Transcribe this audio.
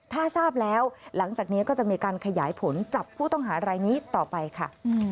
ถ้าทราบแล้วหลังจากนี้ก็จะมีการขยายผลจับผู้ต้องหารายนี้ต่อไปค่ะ